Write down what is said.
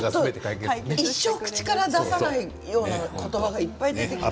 一生、口から出さないような言葉がいっぱい出てきました。